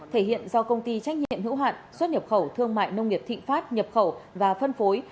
thể hiện do công ty trách nhiệm hữu hạn xuất nhập khẩu thương mại nông nghiệp thịnh pháp nhập khẩu và phân phối